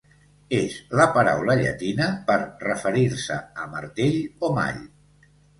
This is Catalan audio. És la paraula llatina per referir-se a "martell" o "mall".